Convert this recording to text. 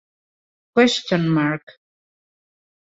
question mark